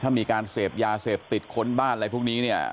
ถ้ามีการเสพยาเสพติดค้นบ้านอะไรพวกนี้เนี่ย